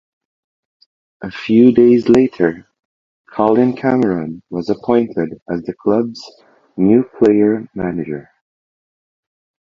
A few days later Colin Cameron was appointed as the club's new player manager.